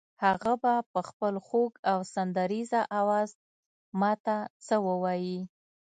هغه به په خپل خوږ او سندریزه آواز ماته څه ووایي.